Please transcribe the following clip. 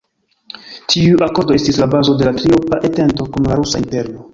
Tiuj akordoj estis la bazo de la "Triopa Entento" kun la Rusa Imperio.